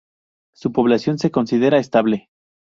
Su población se considera estable.